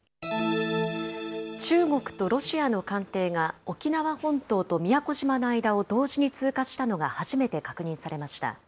中国とロシアの艦艇が沖縄本島と宮古島の間を同時に通過したのが初めて確認されました。